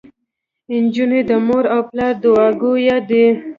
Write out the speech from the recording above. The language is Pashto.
انجونو د مور او پلار دوعاګويه دي.